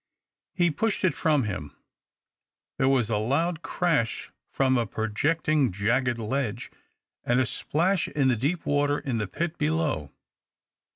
He pushed it from him. There was a loud crash from a projecting jagged ledge, and a splash in the deep water in the pit Lelow.